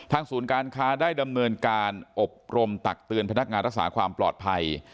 ศูนย์การค้าได้ดำเนินการอบรมตักเตือนพนักงานรักษาความปลอดภัย